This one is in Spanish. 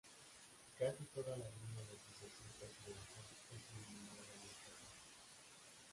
Casi toda la línea de sucesión presidencial es eliminada en este ataque.